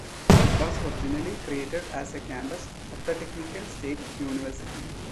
It was originally created as a campus of the Technical State University.